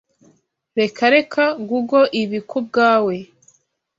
Reka reka google ibi kubwawe.